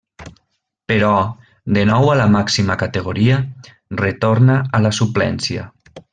Però, de nou a la màxima categoria, retorna a la suplència.